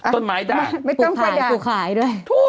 ต้นไม้ด่างปลูกขายด้วย